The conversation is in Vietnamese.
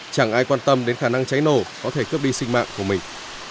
chẳng ai quan tâm đến khả năng cháy nổ có thể cướp đi sinh mạng của mình